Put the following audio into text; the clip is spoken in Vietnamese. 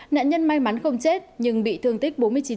nạn nhân may mắn không chết nhưng bị thương tích bốn mươi chín